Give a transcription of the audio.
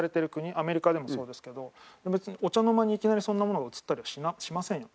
アメリカでもそうですけど別にお茶の間にいきなりそんなものが映ったりはしませんよね。